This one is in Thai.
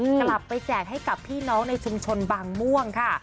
กลับไปแจกให้กับพี่น้องในชุมชนบางม่วงค่ะ